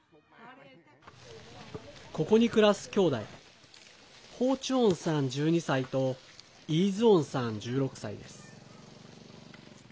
ここに暮らすきょうだいホーチュオンさん、１２歳とイーズオンさん、１６歳です。